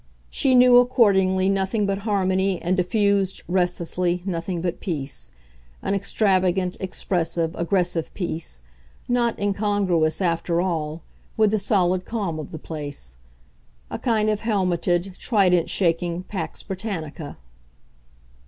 She knew accordingly nothing but harmony and diffused, restlessly, nothing but peace an extravagant, expressive, aggressive peace, not incongruous, after all, with the solid calm of the place; a kind of helmetted, trident shaking pax Britannica.